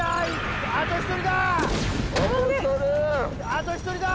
あと１人だ！